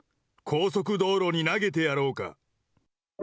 高速道路に投げてやろうか。